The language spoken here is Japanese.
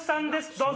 どうぞ。